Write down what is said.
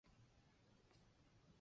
繁衍吧！